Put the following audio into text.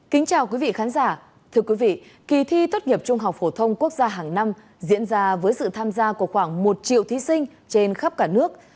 kính chào quý vị khán giả thưa quý vị kỳ thi tốt nghiệp trung học phổ thông quốc gia hàng năm diễn ra với sự tham gia của khoảng một triệu thí sinh trên khắp cả nước